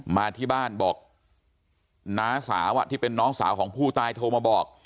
มาที่บ้านบอกน้าสาวที่เป็นน้องสาวของผู้ตายโทรมาบอก